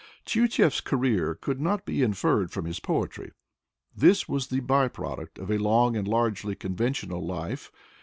Tyutchev's career could not be inferred from his poetry. This was the by product of a long and largely conventional life.